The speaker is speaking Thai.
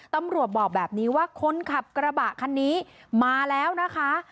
บอกแบบนี้ว่าคนขับกระบะคันนี้มาแล้วนะคะ